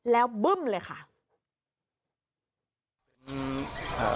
แล้วบึ้มเลยค่ะ